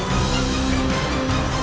nyai yang menarik